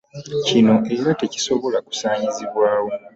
Kino era tekisobola kusaanyizibwawo.